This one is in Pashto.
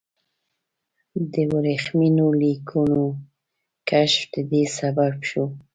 د ورېښمینو لیکونو کشف د دې سبب شو.